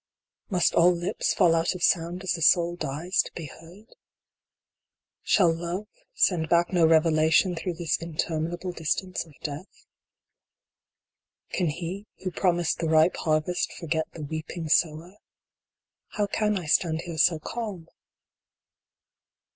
Must all lips fall out of sound as the soul dies to be heard ? Shall Love send back no revelation through this inter minable distance of Death ? Can He who promised the ripe Harvest forget the weep ing Sower ? How can I stand here so calm